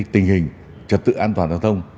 tình hình trật tự an toàn giao thông